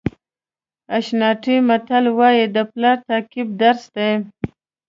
اشانټي متل وایي د پلار تعقیب درس دی.